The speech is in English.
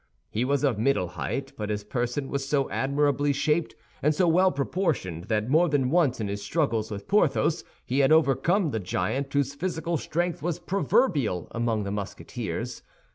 He was of middle height; but his person was so admirably shaped and so well proportioned that more than once in his struggles with Porthos he had overcome the giant whose physical strength was proverbial among the Musketeers.